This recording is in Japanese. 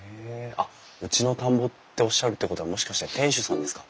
あっうちの田んぼっておっしゃるってことはもしかして店主さんですか？